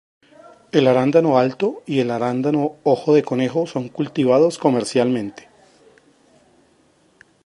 El arándano alto y el arándano ojo de conejo son cultivados comercialmente.